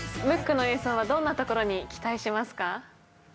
ムックの演奏はどんなところに期待しますか？